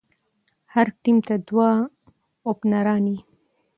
هر ټيم ته دوه اوپنران يي.